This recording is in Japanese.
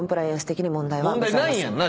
問題ないやんな。